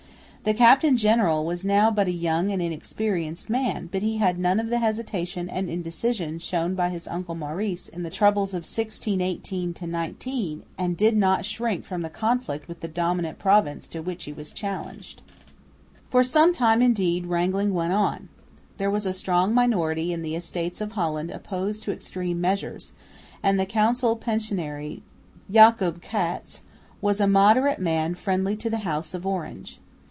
The captain general was now but a young and inexperienced man, but he had none of the hesitation and indecision shown by his uncle Maurice in the troubles of 1618 19, and did not shrink from the conflict with the dominant province to which he was challenged. For some time, indeed, wrangling went on. There was a strong minority in the Estates of Holland opposed to extreme measures; and the council pensionary, Jacob Cats, was a moderate man friendly to the House of Orange.